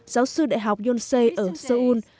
giáo sư đại học yonsei ở seoul